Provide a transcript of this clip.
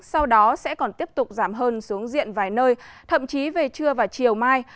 sau đó sẽ còn tiếp tục giảm hơn xuống diện vài nơi thậm chí về trưa và chiều mai